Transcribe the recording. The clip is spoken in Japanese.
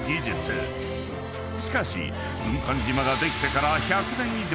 ［しかし軍艦島ができてから１００年以上］